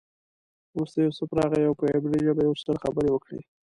وروسته یوسف راغی او په عبري ژبه یې ورسره خبرې وکړې.